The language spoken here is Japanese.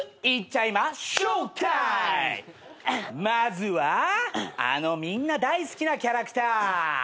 まずはあのみんな大好きなキャラクター。